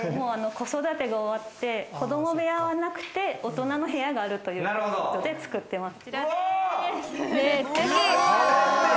子育てが終わって、子供部屋はなくて、大人の部屋があるってことで作ってます。